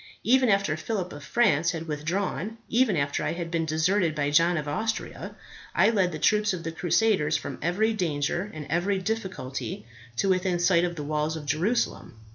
Even after Phillip of France had withdrawn; even after I had been deserted by John of Austria, I led the troops of the crusaders from every danger and every difficulty to within sight of the walls of Jerusalem.